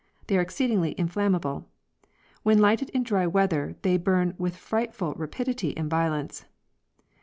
They are exceedingly in flammable. When lighted in dry weather they burn with frightfal rapidity and violence.